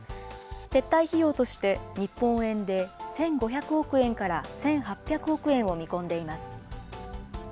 撤退費用として、日本円で１５００億円から１８００億円を見込んでいます。